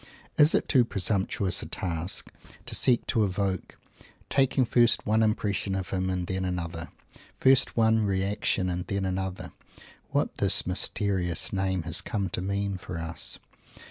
Is it too presumptuous a task to seek to evoke taking first one impression of him and then another, first one reaction and then another what this mysterious Name has come to mean for us?